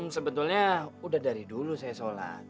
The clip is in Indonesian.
sebetulnya udah dari dulu saya sholat